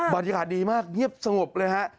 บรรยากาศดีมากเงียบสงบเลยฮะ